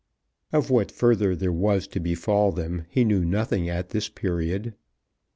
Of what further there was to befall them he knew nothing at this period.